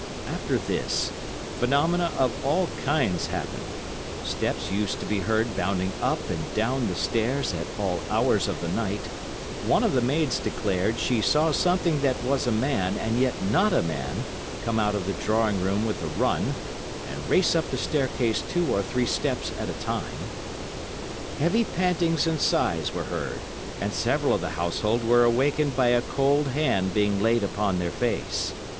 After this, phenomena of all kinds happened; steps used to be heard bounding up and down the stairs at all hours of the night; one of the maids declared she saw something that was a man and yet not a man come out of the drawing room with a run, and race up the staircase two or three steps at a time; heavy pantings and sighs were heard, and several of the household were awakened by a cold hand being laid upon their face.